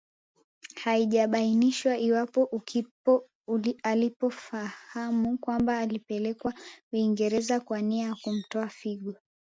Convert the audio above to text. Haijabainishwa iwapo Ukpo alifahamu kwamba alipelekwa Uingereza kwa nia ya kumtoa figo